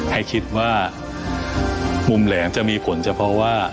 ให้คิดว่ามุมแหลมจะมีผลเฉพาะว่า